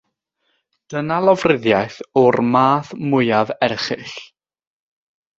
Dyna lofruddiaeth o'r math mwyaf erchyll.